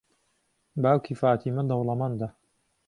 باوکی فاتیمە دەوڵەمەندە.